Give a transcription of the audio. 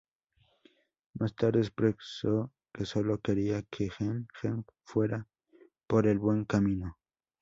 Más tarde expresó que solo quería que Han Geng fuera por el buen camino.